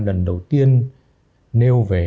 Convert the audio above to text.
lần đầu tiên nêu về